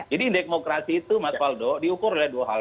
jadi indeks demokrasi itu mat waldo diukur oleh dua hal